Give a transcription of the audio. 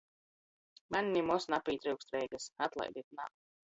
Maņ nimoz napītryukst Reigys. Atlaidit, nā.